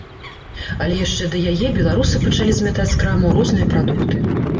Але яшчэ да яе беларусы пачалі змятаць з крамаў розныя прадукты.